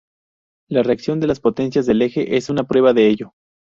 La reacción de las potencias del Eje es una prueba de ello.